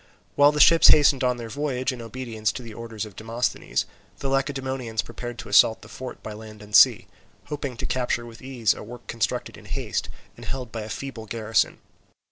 While the ships hastened on their voyage in obedience to the orders of Demosthenes, the Lacedaemonians prepared to assault the fort by land and sea, hoping to capture with ease a work constructed in haste, and held by a feeble garrison.